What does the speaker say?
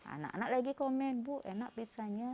anak anak lagi komen bu enak pizzanya